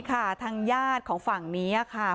ทลายทางใยดขอฝั่งเนี่ยค่ะ